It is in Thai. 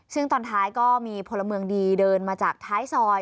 ซึ่งตอนท้ายก็มีพลเมืองดีเดินมาจากท้ายซอย